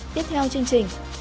tiếp theo chương trình